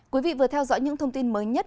quý vị vừa theo dõi những thông tin mới nhất